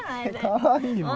かわいいもん